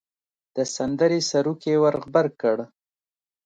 د سندرې سروکی ور غبرګ کړ.